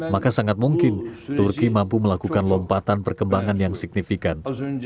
maka sangat mungkin turki mampu melakukan lompatan perkembangan yang signifikan